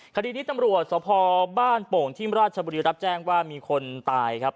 คดีนี้ตำรวจสภบ้านโป่งที่ราชบุรีรับแจ้งว่ามีคนตายครับ